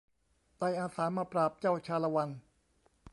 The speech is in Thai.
ได้อาสามาปราบเจ้าชาละวัน